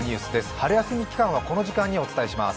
春休み期間はこの時間にお伝えします。